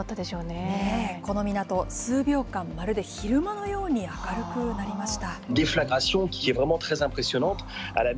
この港、数秒間、まるで昼間のように明るくなりました。